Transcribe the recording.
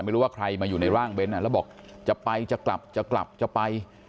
ไม่รู้ว่าใครมาอยู่ในร่างเบ้นแล้วบอกจะไปจะกลับจะกลับจะไป